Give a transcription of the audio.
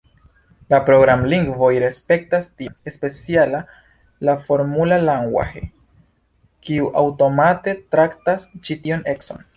La programlingvoj respektas tion, speciala la "Formula language", kiu aŭtomate traktas ĉi tion econ.